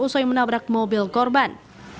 usai menabrak mobil korban